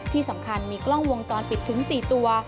ที่สำคัญมีกล้องวงจรปิดถึง๔ตัว